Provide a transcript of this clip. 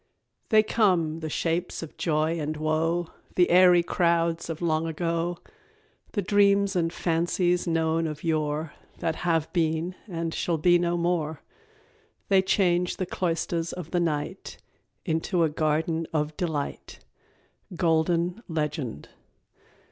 _ "They come, the shapes of joy and woe, The airy crowds of long ago, The dreams and fancies known of yore That have been and shall be no more; They change the cloisters of the night Into a garden of delight." _Golden Legend.